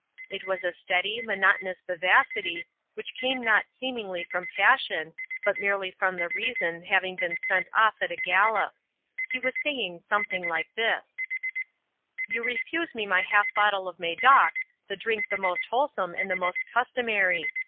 It was a steady, monotonous vivacity, which came not seemingly from passion, but merely from the reason having been sent off at a gallop. He was saying something like this: "You refuse me my half bottle of Medoc, the drink the most wholesome and the most customary.